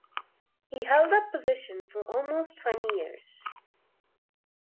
He held that position for almost twenty years.